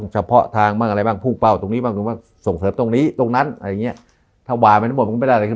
ใช่ไหมเพราะนั้นเราก็ต้องรู้